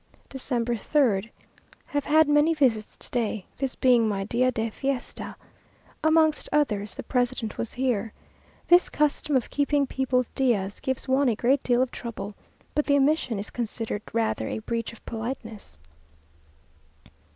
December 3rd. Have had many visits to day, this being my día de fiesta. Amongst others the president was here. This custom of keeping people's días gives one a great deal of trouble, but the omission is considered rather a breach of politeness.